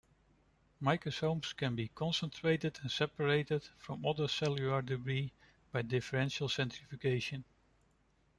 Microsomes can be concentrated and separated from other cellular debris by differential centrifugation.